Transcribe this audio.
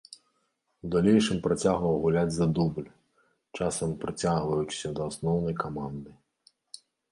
У далейшым працягваў гуляць за дубль, часам прыцягваючыся да асноўнай каманды.